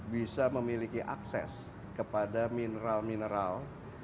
bisa memiliki akses kepada mineral mineral